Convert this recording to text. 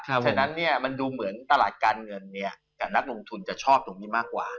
ฉะนั้นมันดูเหมือนตลาดการเงินกับนักลงทุนจะชอบตรงนี้มากกว่า